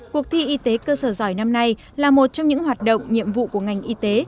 cuộc thi y tế cơ sở giỏi năm nay là một trong những hoạt động nhiệm vụ của ngành y tế